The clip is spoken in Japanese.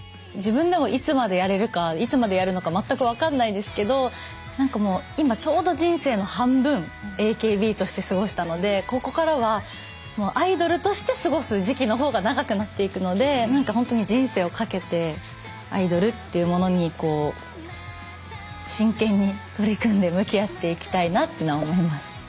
自分でもいつまでやれるかいつまでやるのか全く分かんないですけど何かもう今ちょうど人生の半分ＡＫＢとして過ごしたのでここからはアイドルとして過ごす時期の方が長くなっていくので何か本当に人生を賭けてアイドルっていうものにこう真剣に取り組んで向き合っていきたいなっていうのは思います。